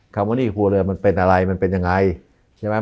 คำว่าหี่ครัวเรือนมันเป็นอะไรมันเป็นยังไงใช่ไหม